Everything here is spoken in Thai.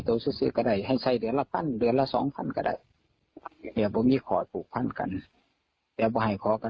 บอกว่าเธอมีปัญหา